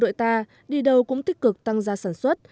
bộ đội ta đi đâu cũng tích cực tăng giá sản xuất